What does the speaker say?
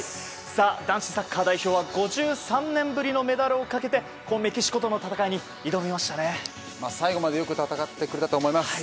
男子サッカー代表は５３年ぶりのメダルをかけてメキシコとの戦いに最後までよく戦ってくれたと思います。